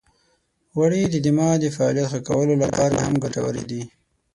غوړې د دماغ د فعالیت ښه کولو لپاره هم ګټورې دي.